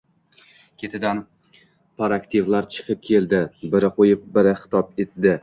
Ketidan partaktivlar chikib keldi. Biri qo‘yib, biri xitob etdi: